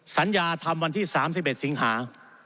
สัญญาทำวันที่๓๑สิงหา